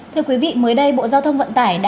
thưa quý vị mới đây bộ giao thông vận tải đã